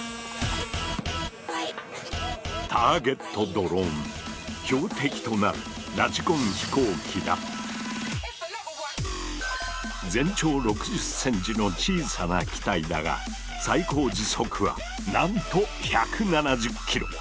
ここには標的となる全長６０ｃｍの小さな機体だが最高時速はなんと１７０キロ！